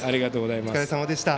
お疲れさまでした。